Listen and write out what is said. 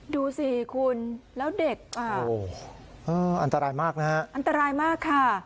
ดูสิคุณแล้วเด็กอันตรายมากนะฮะอันตรายมากค่ะ